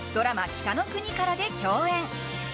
「北の国から」で共演。